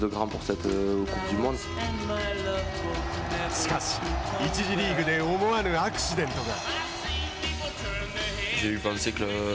しかし１次リーグで思わぬアクシデントが。